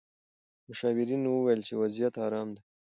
مشاورینو وویل چې وضعیت ارام دی.